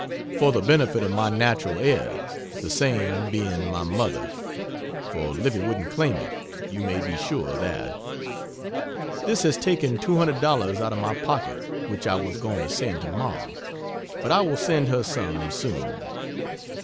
"for the benefit of my natural heirs" the same being my mother, for Livy wouldn't claim it, you may be sure of that. This has taken $200 out of my pocket which I was going to send to Ma. But I will send her some, soon.